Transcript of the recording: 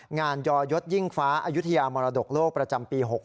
ยอยศยิ่งฟ้าอายุทยามรดกโลกประจำปี๖๖